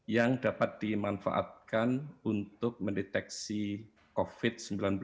yang dapat dimanfaatkan untuk mendeteksi covid sembilan belas